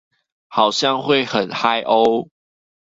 好像會很嗨喔